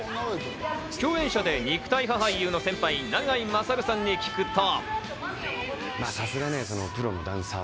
共演者で肉体派俳優の先輩・永井大さんに聞くと。